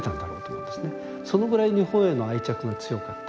そのぐらい日本への愛着が強かった。